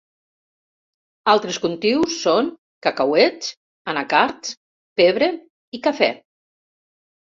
Altres cultius són cacauets, anacards, pebre i cafè.